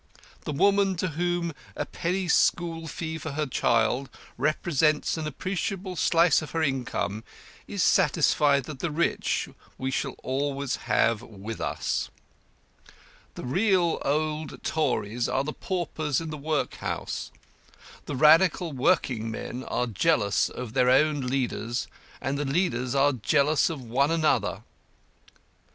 The woman, to whom a penny school fee for her child represents an appreciable slice of her income, is satisfied that the rich we shall always have with us. "The real old Tories are the paupers in the Workhouse. The radical working men are jealous of their own leaders, and the leaders are jealous of one another.